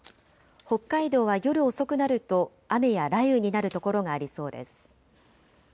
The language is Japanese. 北海道は夜遅くなると雨や雷雨になる所がありそうです。